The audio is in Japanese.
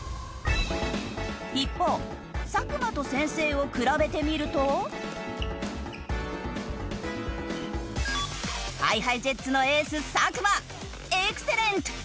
一方作間と先生を比べてみると。ＨｉＨｉＪｅｔｓのエース作間エクセレント！